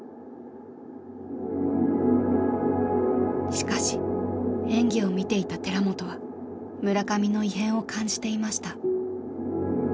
しかし演技を見ていた寺本は村上の異変を感じていました。